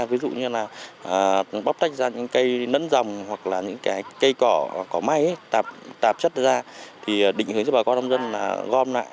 ví dụ như là bóc tách ra những cây nẫn dòng hoặc là những cây cỏ có mai tạp chất ra thì định hướng cho bà con nông dân là gom lại